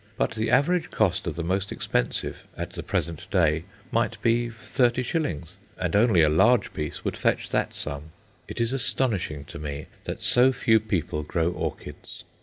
But the average cost of the most expensive at the present day might be 30s., and only a large piece would fetch that sum. It is astonishing to me that so few people grow orchids.